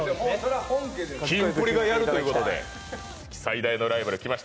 キンプリがやるということで最大のライバルが来ました。